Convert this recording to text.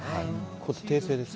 訂正です。